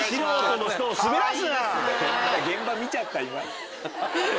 現場見ちゃった今。